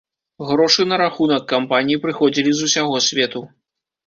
Грошы на рахунак кампаніі прыходзілі з усяго свету.